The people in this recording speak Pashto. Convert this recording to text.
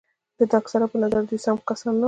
د اکثرو په نظر دوی سم کسان نه وو.